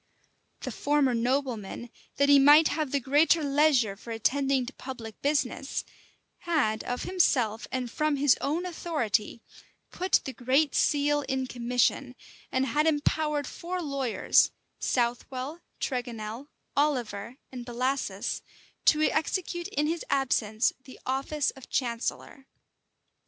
The former nobleman, that he might have the greater leisure for attending to public business, had, of himself and from his own authority, put the great seal in commission, and had empowered four lawyers Southwell, Tregonel, Oliver, and Bellasis, to execute in his absence the office of chancellor.